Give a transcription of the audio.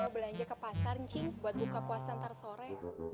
belanja ke pasar cik buat buka puasa ntar sore